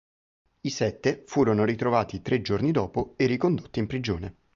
I sette furono ritrovati tre giorni dopo e ricondotti in prigione.